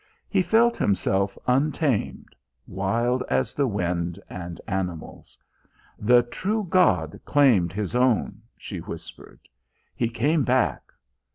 He felt himself untamed, wild as the wind and animals. "The true God claimed His own," she whispered. "He came back.